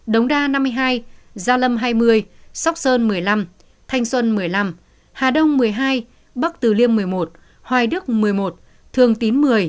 đống đa năm mươi hai gia lâm hai mươi sóc sơn một mươi năm thanh xuân một mươi năm hà đông một mươi hai bắc từ liêm một mươi một hoài đức một mươi một thường tín một mươi